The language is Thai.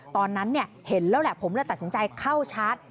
ตอนนั้นเห็นแล้วแหละผมเลยตัดสินใจเข้าชาร์จ